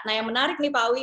nah yang menarik nih pak awi